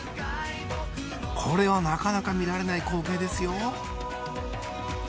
これはなかなか見られない光景ですよ